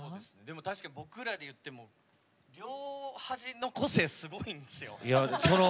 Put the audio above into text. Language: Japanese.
確かに僕らでいっても両端の個性すごいんですよ。